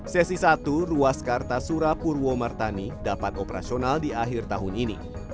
sesi satu ruas kartasura purwomartani dapat operasional di akhir tahun ini